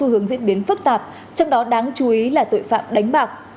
tội phạm đánh bạc đã diễn biến phức tạp trong đó đáng chú ý là tội phạm đánh bạc